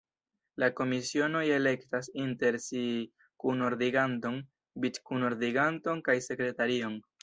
La komisionoj elektas inter si kunordiganton, vic-kunordiganton kaj sekretarion.